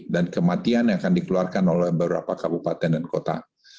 dan kematian yang akan dikeluarkan oleh beberapa kabupaten dan kota